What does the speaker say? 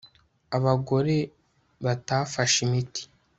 abagore batafashe imiti